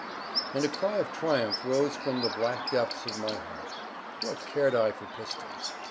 And a cry of triumph rose from the black depths of my heart. What cared I for pistols?